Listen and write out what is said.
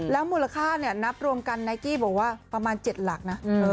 แล้วมูลค่านับรวมกันไนกี้บอกว่าประมาณ๗หลักนะ